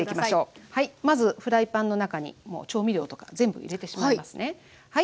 まずフライパンの中にもう調味料とか全部入れてしまいますね。